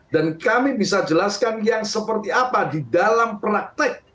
dan kami bisa jelaskan yang seperti apa di dalam praktek